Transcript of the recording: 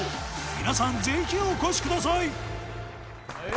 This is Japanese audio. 皆さんぜひお越しください。